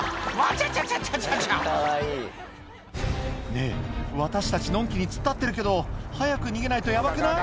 「ねぇ私たちのんきに突っ立ってるけど早く逃げないとヤバくない？」